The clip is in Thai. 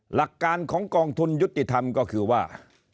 หลักการของกองทุนยุติธรรมก็คือว่า